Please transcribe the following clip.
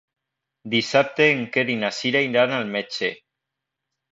Dissabte en Quer i na Cira iran al metge.